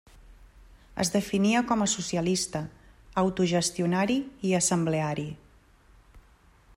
Es definia com a socialista, autogestionari i assembleari.